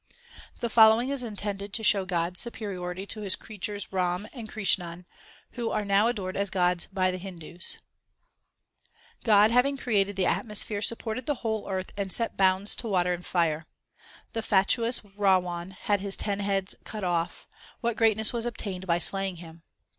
The following was intended to show God s supe riority to His creatures Ram and Krishan, who are now adored as gods by the Hindus : God having created the atmosphere supported the whole earth and set bounds to water and fire. The fatuous Rawan 2 had his ten heads cut off ; what greatness was obtained by slaying him